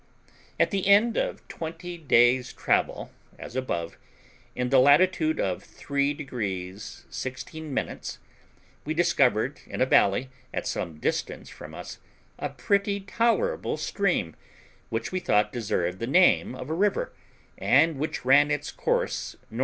At the end of twenty days' travel, as above, in the latitude of three degrees sixteen minutes, we discovered in a valley, at some distance from us, a pretty tolerable stream, which we thought deserved the name of a river, and which ran its course N.N.